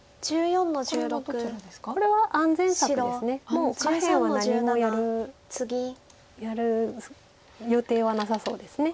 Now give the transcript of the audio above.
もう下辺は何もやる予定はなさそうです。